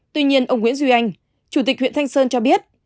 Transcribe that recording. tuy nhiên ông nguyễn duy anh chủ tịch huyện thanh sơn cho biết